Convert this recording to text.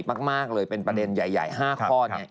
ใสมากเลยเป็นประเด็นใหญ่๕ข้อเนี่ย